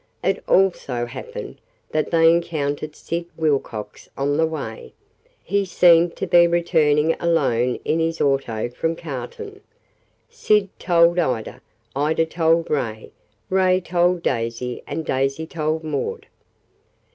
It also happened that they encountered Sid Wilcox on the way. He seemed to be returning alone in his auto from Cartown. Sid told Ida, Ida told Ray, Ray told Daisy and Daisy told Maud.